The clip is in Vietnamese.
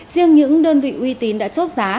riêng những đơn vị uy tín đã chốt giá